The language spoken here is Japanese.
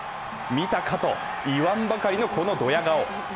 見たか！と言わんばかりの、このどや顔。